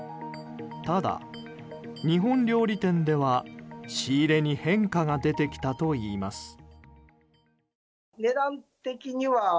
ただ、日本料理店では仕入れに変化が出てきたといいます。